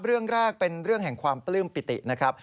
เรื่องแรกเป็นเรื่องของความปลื้มปิตินะครับ